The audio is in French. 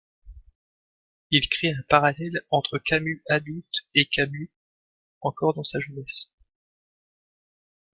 Il crée un parallèle entre Camus adulte et Camus, encore dans sa jeunesse.